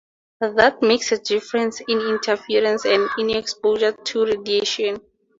That makes a difference in interference and in exposure to radiation.